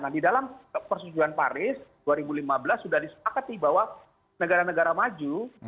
nah di dalam persetujuan paris dua ribu lima belas sudah disepakati bahwa negara negara maju